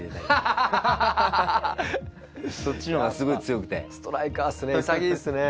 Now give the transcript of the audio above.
そっちの方がすごい強くてストライカーっすね潔いですね